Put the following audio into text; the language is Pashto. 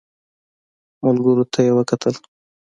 ملګرو ته يې وکتل.